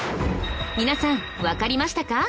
皆さんわかりましたか？